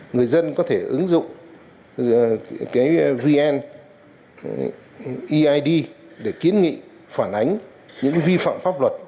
người dân có thể ứng dụng vn eid để kiến nghị phản ánh những vi phạm pháp luật